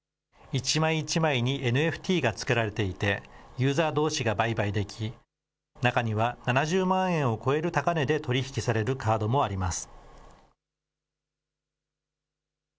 一枚一枚にＮＦＴがつけられていて、ユーザーどうしが売買でき、中には７０万円を超える高値で取り引きされるカードもあります。